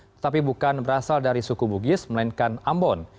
tetapi bukan berasal dari suku bugis melainkan ambon